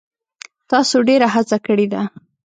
تاسو ډیره هڅه کړې ده.